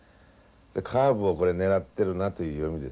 カーブをこれ狙ってるなという読みですよ。